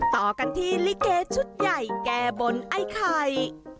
ต่อกันที่ลิเกชุดใหญ่แก้บนไอ้ไข่